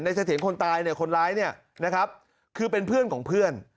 เสถียรคนตายเนี่ยคนร้ายเนี่ยนะครับคือเป็นเพื่อนของเพื่อน